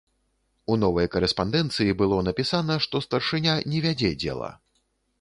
У новай карэспандэнцыі было напісана, што старшыня не вядзе дзела.